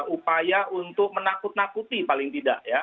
upaya untuk menakut nakuti paling tidak ya